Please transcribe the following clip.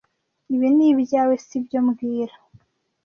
Ibi ni ibyawe, si byo mbwira